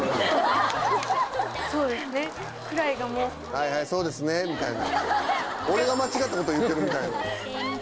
「はいはいそうですね」みたいな。